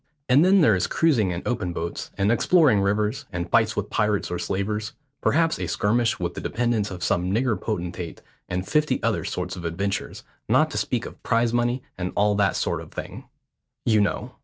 And then there is cruising in open boats, and exploring rivers, and fights with pirates or slavers; perhaps a skirmish with the dependents of some nigger potentate, and fifty other sorts of adventures, not to speak of prize money and all that sort of thing, you know.